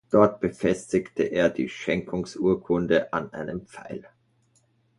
Dort befestigte er die Schenkungsurkunde an einem Pfeil.